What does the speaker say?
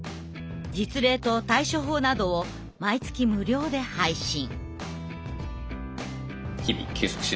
実例と対処法などを毎月無料で配信。